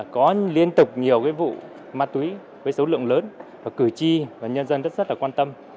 có liên tục nhiều vụ ma túy với số lượng lớn và cử tri và nhân dân rất rất là quan tâm